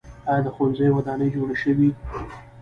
آیا د ښوونځیو ودانۍ جوړې شوي؟